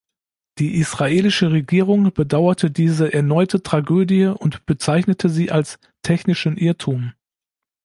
Die israelische Regierung bedauerte diese erneute Tragödie und bezeichnete sie als technischen Irrtum.